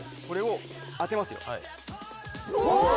これを当てますようわ！